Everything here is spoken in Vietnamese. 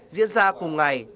diễn ra cùng ngày